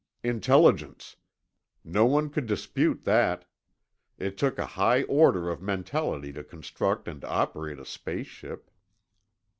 Intelligence. No one could dispute that. It took a high order of mentality to construct and operate a space ship.